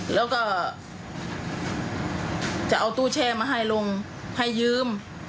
แล้วก็จะเอาตู้แช่มาให้ลุงให้ยืม